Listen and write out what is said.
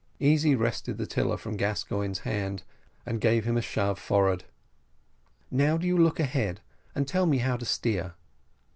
Easy wrested the tiller from Gascoigne's hand, and gave him a shove forward. "Now do you look out ahead, and tell me how to steer."